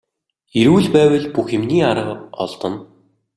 Эрүүл байвал бүх юмны арга олдоно.